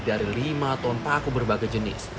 dari lima ton paku berbagai jenis